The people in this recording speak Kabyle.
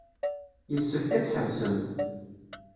Yessefk ad tḥebsemt.